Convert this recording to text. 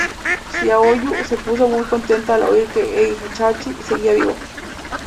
Xiaoyu se puso muy contenta al oír que Heihachi seguía vivo.